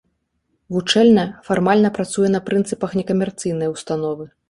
Вучэльня фармальна працуе па прынцыпах некамерцыйнай установы.